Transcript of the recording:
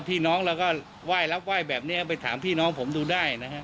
พี่น้องเราก็ไหว้รับไหว้แบบนี้เอาไปถามพี่น้องผมดูได้นะฮะ